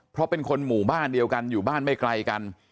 เพราะเป็นคนหมู่บ้านเดียวกันอยู่บ้านไม่ไกลกัน